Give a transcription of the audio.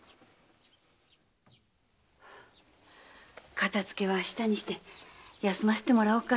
片づけは明日にして休ませてもらおうか。